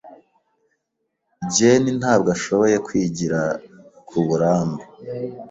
Jane ntabwo ashoboye kwigira kuburambe.